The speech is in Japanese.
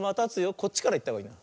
こっちからいったほうがいい。